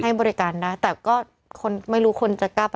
ให้บริการได้แต่ก็คนไม่รู้คนจะกล้าไป